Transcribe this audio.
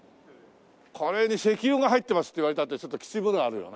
カレーに石油が入ってますって言われたってちょっときついものがあるよね。